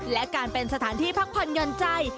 และการเป็นสถานที่พักผ่อนยนต์ใจ